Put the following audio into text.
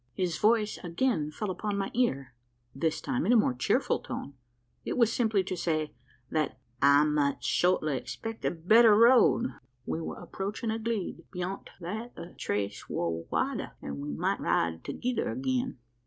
His voice again fell upon my ear this time in a more cheerful tone. It was simply to say, that I "might shortly expect a better road we were approaching a `gleed;' beyont that the trace war wider, an' we might ride thegither again."